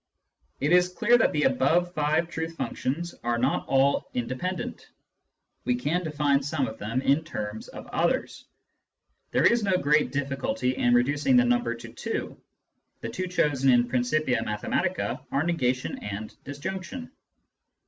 It is clear that the above five truth functions are not all inde pendent. We can define some of them in terms of others. There is no great difficulty in reducing the number to two ; the two chosen in Principia Mathematica are negation and disjunction.